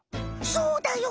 そうだよ！